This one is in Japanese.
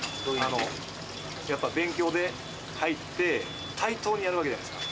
やっぱ勉強で入って、対等にやるわけですよ。